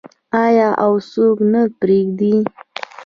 آیا او څوک نه پریږدي؟